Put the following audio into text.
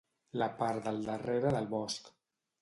La part del darrere del bosc.